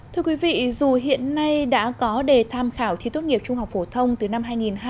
thưa quý vị dù hiện nay đã có đề tham khảo thi tốt nghiệp trung học phổ thông từ năm hai nghìn hai mươi năm